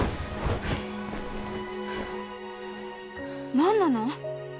何なの！？